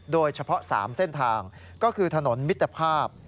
โดยเฉพาะ๓เส้นทางก็คือถนนมิตรภาพ